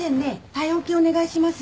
体温計お願いします。